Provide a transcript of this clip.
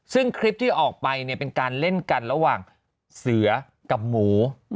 ซึ่งคลิปที่ออกไปเนี่ยเป็นการเล่นกันระหว่างเสือกับหมู